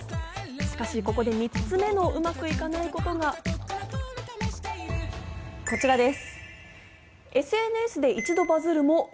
しかし、ここで３つ目のうまくいかないことがこちらです。